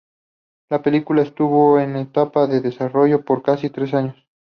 La película estuvo en su etapa de desarrollo por casi tres años.